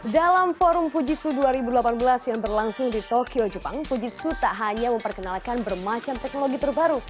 dalam forum fujitsu dua ribu delapan belas yang berlangsung di tokyo jepang fujitsu tak hanya memperkenalkan bermacam teknologi terbaru